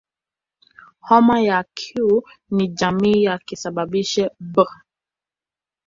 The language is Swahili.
Homa ya Q ni jamii ya kisababishi "B".